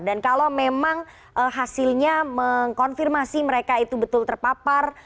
dan kalau memang hasilnya mengkonfirmasi mereka itu betul terpapar